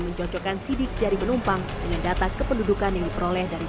mencocokkan sidik jari penumpang dengan data kependudukan yang diperoleh dari